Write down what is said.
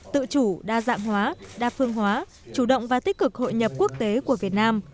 tự chủ đa dạng hóa đa phương hóa chủ động và tích cực hội nhập quốc tế của việt nam